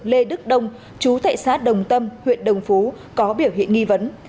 lê đức đông chú tại xã đồng tâm huyện đồng phú có biểu hiện nghi vấn